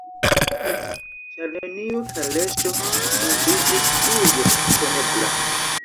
Ĉar neniu kaleŝo montriĝis tuje disponebla: